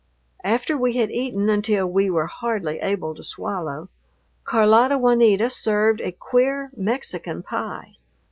After we had eaten until we were hardly able to swallow, Carlota Juanita served a queer Mexican pie.